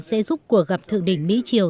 sẽ giúp cuộc gặp thượng đỉnh mỹ triều